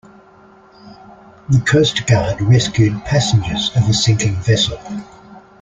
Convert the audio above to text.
The coast guard rescued passengers of a sinking vessel.